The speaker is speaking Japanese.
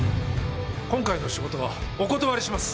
今回の仕事はお断りします。